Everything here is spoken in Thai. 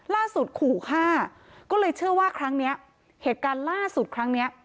ขู่ฆ่าก็เลยเชื่อว่าครั้งนี้เหตุการณ์ล่าสุดครั้งเนี้ย